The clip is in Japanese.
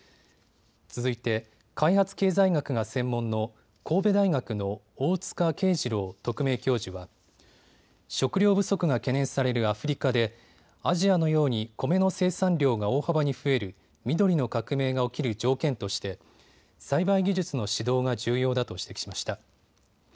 続いて開発経済学が専門の神戸大学の大塚啓二郎特命教授は食糧不足が懸念されるアフリカでアジアのようにコメの生産量が大幅に増える緑の革命が起きる条件として栽培技術の指導が重要だと指摘しました。